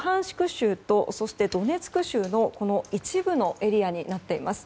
州とそしてドネツク州の一部のエリアになっています。